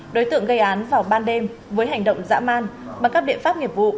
đối tượng gây án vào ban đêm với hành động dã man bằng các biện pháp nghiệp vụ